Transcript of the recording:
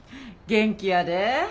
元気やで。